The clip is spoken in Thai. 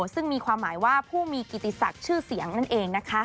ซึ่งมีความหมายว่าผู้มีกิติศักดิ์ชื่อเสียงนั่นเอง